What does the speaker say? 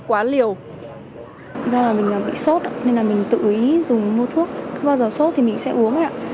do là mình bị sốt nên mình tự ý dùng mua thuốc cứ bao giờ sốt thì mình sẽ uống ạ